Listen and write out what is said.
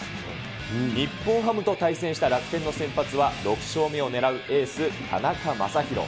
日本ハムと対戦した楽天の先発は、６勝目を狙うエース、田中将大。